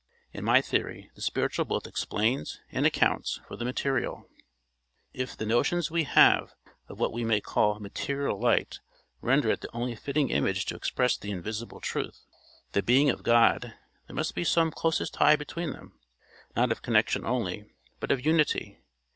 In my theory, the spiritual both explains and accounts for the material. If the notions we have of what we may call material light render it the only fitting image to express the invisible Truth, the being of God, there must be some closest tie between them not of connection only, but of unity.